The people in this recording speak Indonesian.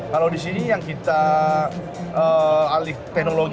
kalau di sini yang kita alih teknologi